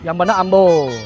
yang benar ambo